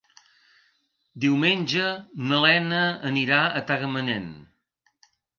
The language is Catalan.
Diumenge na Lena anirà a Tagamanent.